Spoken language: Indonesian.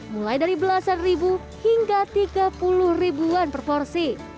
mulai dari belasan ribu hingga tiga puluh ribuan per porsi